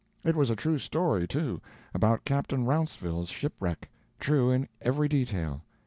It was a true story, too about Captain Rounceville's shipwreck true in every detail.